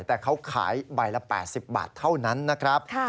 แต่เขาขายใบละ๘๐บาทเท่านั้นนะครับ